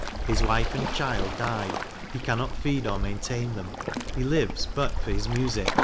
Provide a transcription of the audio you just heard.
His wife and child die; he cannot feed or maintain them; he lives but for his music.